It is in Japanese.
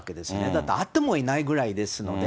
だって、会ってもいないぐらいですので。